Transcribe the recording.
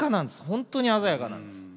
本当に鮮やかなんです。